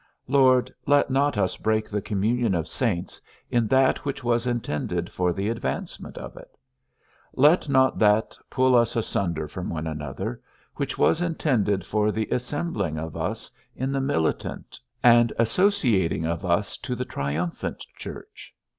Lord, let not us break the communion of saints in that which was intended for the advancement of it; let not that pull us asunder from one another, which was intended for the assembling of us in the militant, and associating of us to the triumphant church.